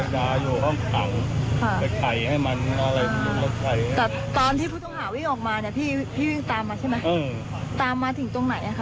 แต่ตอนที่ผู้ต้องหาวิ่งออกมาเนี่ยพี่วิ่งตามมาใช่ไหมตามมาถึงตรงไหนอ่ะค่ะ